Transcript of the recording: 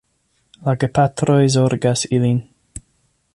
La gepatroj zorgas ilin.